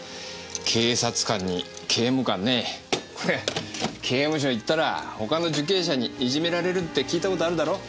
警察官に刑務官ねこれ刑務所行ったら他の受刑者にいじめられるって聞いたことあるだろ？